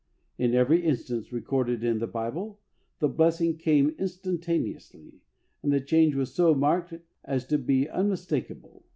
In every instance recorded in the Bible the blessing came instan taneously, and the change w'as so marked as to be unmistakable.